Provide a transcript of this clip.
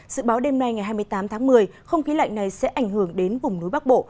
dự báo đêm nay ngày hai mươi tám tháng một mươi không khí lạnh này sẽ ảnh hưởng đến vùng núi bắc bộ